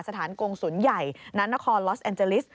สถานกงศูนย์ใหญ่ณนครลอสแอนเจลิส